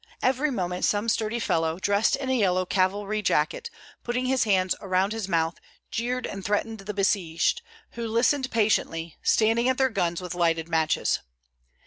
Every moment some sturdy fellow, dressed in a yellow cavalry jacket, putting his hands around his mouth, jeered and threatened the besieged, who listened patiently, standing at their guns with lighted matches.